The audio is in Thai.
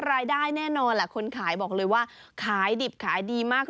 รายได้แน่นอนแหละคนขายบอกเลยว่าขายดิบขายดีมาก